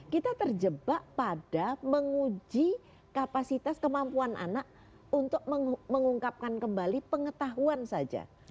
kita terjebak pada menguji kapasitas kemampuan anak untuk mengungkapkan kembali pengetahuan saja